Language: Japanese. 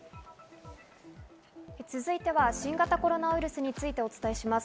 続いて新型コロナウイルスについてお伝えします。